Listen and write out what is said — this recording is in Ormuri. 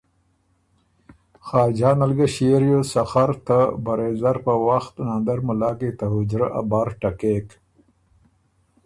خاجان ال ګۀ ݭيې ریوز سخر ته برېځر په وخت ناندر مُلا کی ته حجرۀ ا بر ټکېک۔